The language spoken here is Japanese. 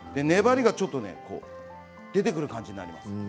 粘りがよく出てくる感じになります。